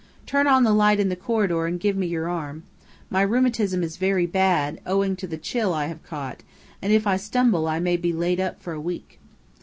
"Turn on the light in the corridor and give me your arm. My rheumatism is very bad, owing to the chill I have caught, and if I stumble I may be laid up for a week."